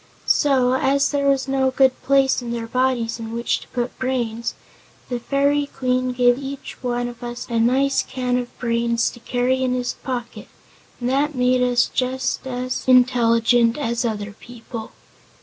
So, as there was no good place in their bodies in which to put brains the Fairy Queen gave each one of us a nice can of brains to carry in his pocket and that made us just as intelligent as other people.